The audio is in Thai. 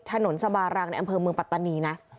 สบารังในอำเภอเมืองปัตตานีนะ